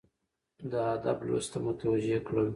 د ادب لوست ته متوجه کړل،